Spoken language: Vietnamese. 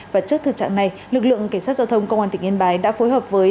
và trước thực trạng này lực lượng cảnh sát giao thông công an tỉnh yên bái đã phối hợp với